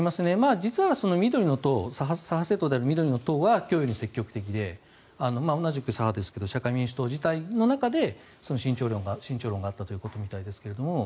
実は左派政党である緑の党は供与に積極的で同じく左派ですけど社会民主党の中自体で慎重論があったということみたいですけど。